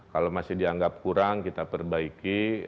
kalau masih dianggap kurang kita perbaiki